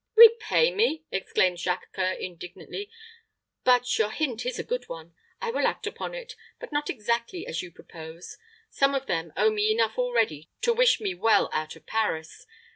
"Repay me!" exclaimed Jacques C[oe]ur, indignantly; "but your hint is a good one. I will act upon it, but not exactly as you propose. Some of them owe me enough already to wish me well out of Paris.